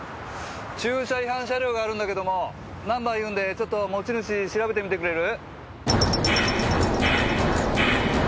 駐車違反車両があるんだけどもナンバー言うんでちょっと持ち主調べてみてくれる？